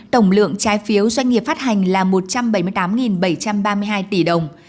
tổng lượng trái phiếu doanh nghiệp phát hành là một trăm bảy mươi tám bảy trăm ba mươi hai tỷ đồng